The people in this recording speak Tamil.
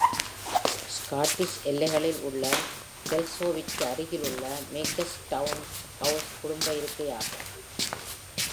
ஸ்காட்டிஷ் எல்லைகளில் உள்ள கெல்சோவிற்கு அருகிலுள்ள மேக்கர்ஸ்டவுன் ஹவுஸ் குடும்ப இருக்கை ஆகும்.